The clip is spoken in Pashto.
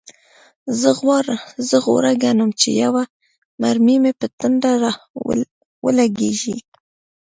زه غوره ګڼم چې یوه مرمۍ مې په ټنډه ولګیږي